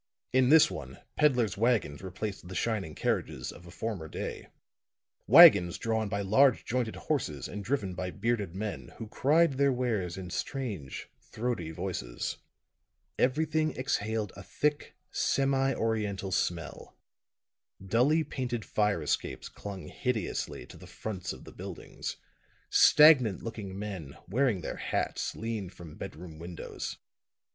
In this one peddler's wagons replaced the shining carriages of a former day wagons drawn by large jointed horses and driven by bearded men who cried their wares in strange, throaty voices. Everything exhaled a thick, semi oriental smell. Dully painted fire escapes clung hideously to the fronts of the buildings; stagnant looking men, wearing their hats, leaned from bedroom windows.